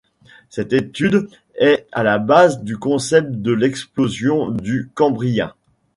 Cette étude est à la base du concept de l'explosion du Cambrien.